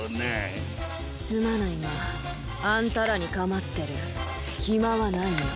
すまないがあんたらにかまってるひまはないよ。